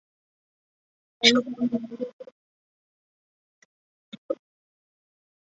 倘一答应，夜间便要来吃这人的肉的